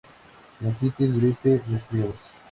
Bronquitis, gripe, resfriados.